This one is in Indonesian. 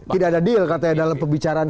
tidak ada deal katanya dalam pembicaraan